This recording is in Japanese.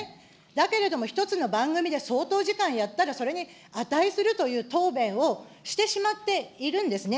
だけれども、１つの番組で相当時間やったら、それに値するという答弁をしてしまっているんですね。